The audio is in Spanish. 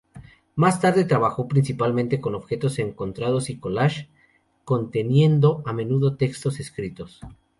Más tarde trabajó principalmente con objetos encontrados y collage, conteniendo a menudo textos escritos.